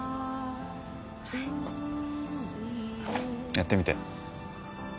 やってみて。